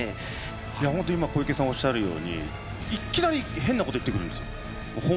いや本当、今、小池さんがおっしゃるように、いきなり変なこと言ってくるんですよ。